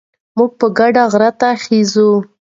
موږ په ګډه غره ته خېژو.